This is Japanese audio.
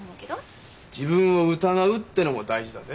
自分を疑うってのも大事だぜ。